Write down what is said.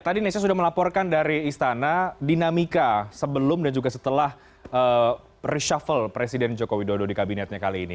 tadi nesya sudah melaporkan dari istana dinamika sebelum dan juga setelah reshuffle presiden joko widodo di kabinetnya kali ini